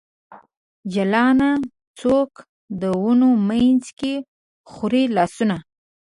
جلانه ! څوک د ونو منځ کې خوروي لاسونه ؟